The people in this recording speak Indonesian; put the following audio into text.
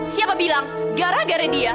siapa bilang gara gara dia